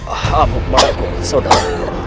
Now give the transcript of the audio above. aku mampu saudaraku